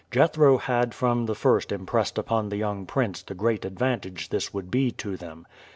Jethro had from the first impressed upon the young prince the great advantage this would be to them.